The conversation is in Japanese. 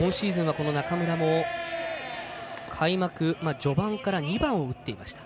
この中村開幕序盤から２番を打っていました。